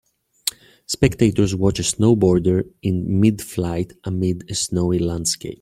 Spectators watch a snowboarder in midflight amid a snowy landscape.